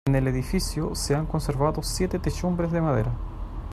En el edificio se han conservado siete techumbres de madera.